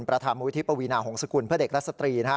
ปฐมวิทธิพวีนาหองสกุลเพื่อเด็กราษตรีนะ